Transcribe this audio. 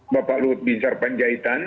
bapak lutfi sarpanjaitan